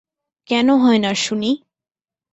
কেন হয় না শুনি?